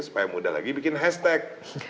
supaya mudah lagi bikin hashtag